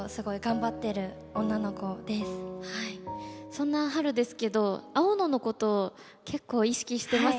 そんなハルですけど青野のことを結構意識してますよね。